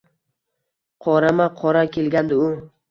Qorama-qora kelgandi u